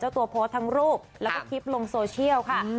ตัวโพสต์ทั้งรูปแล้วก็คลิปลงโซเชียลค่ะ